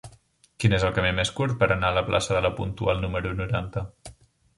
Quin és el camí més curt per anar a la plaça de La Puntual número noranta?